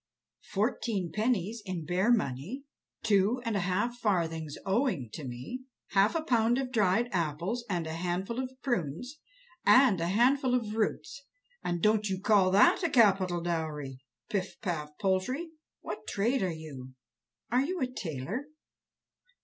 "Fourteen pennies in bare money, two and a half farthings owing to me, half a pound of dried apples, a handful of prunes, and a handful of roots; and don't you call that a capital dowry? Pif paf Poltrie, what trade are you? Are you a tailor?"